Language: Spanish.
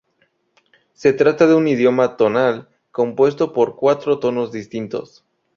Se trata de un idioma tonal, compuesto por cuatro tonos distintos.